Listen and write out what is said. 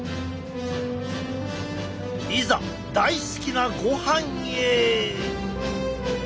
いざ大好きなごはんへ！